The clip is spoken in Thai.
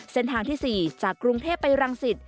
เส้นทางที่๔จากกรุงเทพไปรังสิต